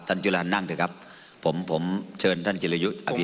ท่านจุลภัณฑ์นั่งเถอะครับผมผมเชิญท่านจิลยุอภิปรายครับ